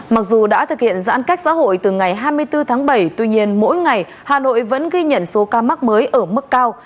mặc dù đã thực hiện giãn cách xã hội từ ngày hai mươi bốn tháng bảy tuy nhiên mỗi ngày hà nội vẫn ghi nhận số ca mắc mới ở mức cao